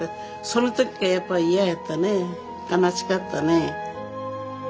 その時がやっぱ嫌やったね悲しかったね。